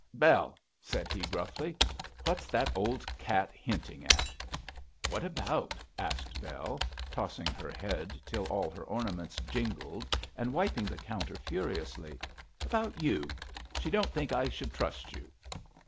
'Bell,' said he, gruffly, 'what's that old cat hinting at?' 'What about?' asked Bell, tossing her head till all her ornaments jingled, and wiping the counter furiously. 'About you! She don't think I should trust you.'